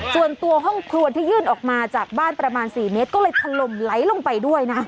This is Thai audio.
ส่วนตัวห้องครัวที่ยื่นออกมาจากบ้านประมาณ๔เมตรก็เลยถล่มไหลลงไปด้วยนะ